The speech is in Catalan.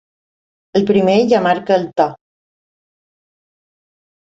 El primer ja marca el to.